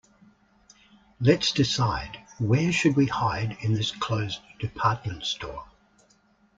Let's decide where should we hide in this closed department store.